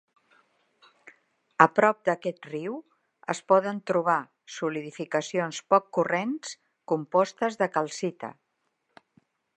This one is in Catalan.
A prop d'aquest riu es poden trobar solidificacions poc corrents, compostes de calcita.